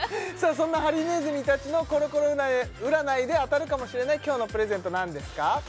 そんなハリネズミたちのコロコロ占いで当たるかもしれない今日のプレゼント何ですか？